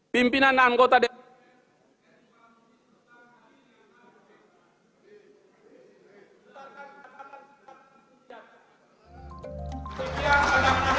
pimpinan dan anggota dpr ri puan maharani